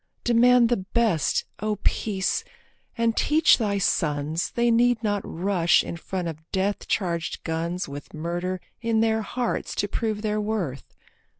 Demand the best, O Peace, and teach thy sons They need not rush in front of death charged guns With murder in their hearts to prove their worth.